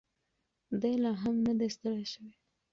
دی لا هم نه دی ستړی شوی.